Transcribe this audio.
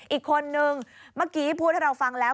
อีกคนนึงเมื่อกี้พูดให้เราฟังแล้ว